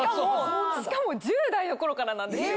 しかも１０代の頃からなんですよ。